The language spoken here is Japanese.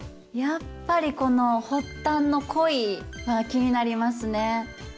やっぱりこの発端の「恋」が気になりますね。